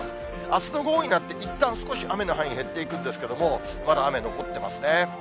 あすの午後になって、いったん、雨の範囲、減っていくんですけれども、まだ雨残ってますね。